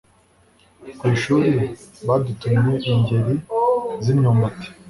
ku ishuri badutumye ingeri z' imyumbati